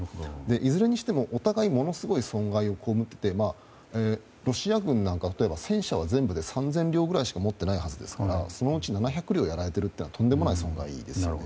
いずれにしても、お互いものすごい損害を被っていてロシア軍なんか、戦車は全部で３０００両くらいしか持っていないはずですからそのうち７００両がやられているというのはとんでもない損害です。